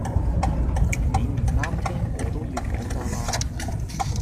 你唔啱聽我都要講㗎喇